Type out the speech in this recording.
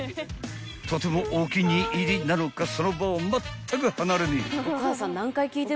［とてもお気に入りなのかその場をまったく離れねぇ］